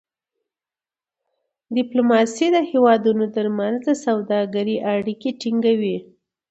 ډيپلوماسي د هېوادونو ترمنځ د سوداګری اړیکې ټینګوي.